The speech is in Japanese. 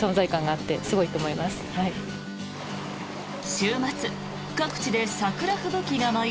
週末、各地で桜吹雪が舞い